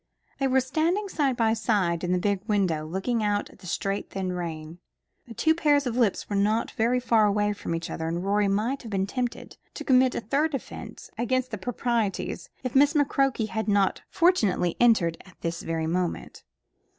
They were standing side by side in the big window looking out at the straight thin rain. The two pairs of lips were not very far away from each other, and Rorie might have been tempted to commit a third offence against the proprieties, if Miss McCroke had not fortunately entered at this very moment.